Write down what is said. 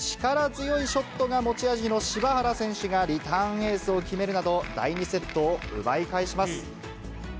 力強いショットが持ち味の柴原選手がリターンエースを決めるなど、第２セットを奪い返します。